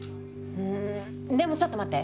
うんでもちょっと待って。